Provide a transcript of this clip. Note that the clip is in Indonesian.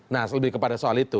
nah lebih kepada soal itu